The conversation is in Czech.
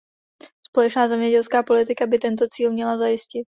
Společná zemědělská politika by tento cíl měla zajistit.